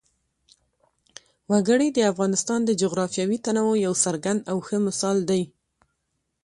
وګړي د افغانستان د جغرافیوي تنوع یو څرګند او ښه مثال دی.